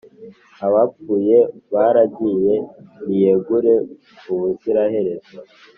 abapfuye baragiye, niyegure ubuziraherezo